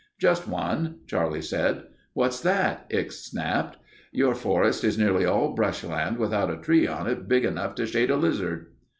"Just one," Charlie said. "What's that?" Ickes snapped. "Your forest is nearly all brush land without a tree on it big enough to shade a lizard."